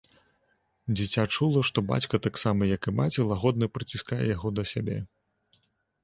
Дзіця чула, што бацька таксама, як і маці, лагодна прыціскае яго да сябе.